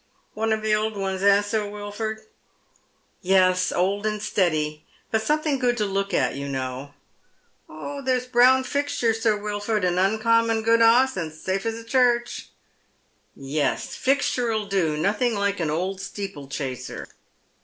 " One of the old ones, eh, Sir Wilf ord ?"" Yes, old and steady. But something good to look at, you know." " There's Brown Fixture, Sir Wilf ord, an uncommon good 'oss, and as safe as a church." " Yes, Fixture '11 do, nothing like an old steeplechaser."